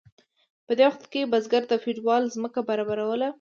په دې وخت کې بزګر د فیوډال ځمکه برابروله.